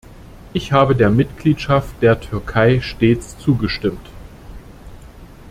Ich habe der Mitgliedschaft der Türkei stets zugestimmt.